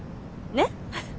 ねっ？